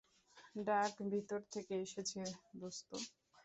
ডাক ভিতর থেকে এসেছে, দোস্ত।